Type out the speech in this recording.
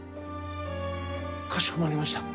かしこまりました。